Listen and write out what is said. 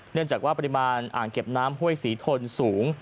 เนื่องจากว่าปริมาณอ่างเก็บน้ำห้วยศรีทนสูง